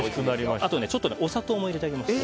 あと、お砂糖も入れてあげます。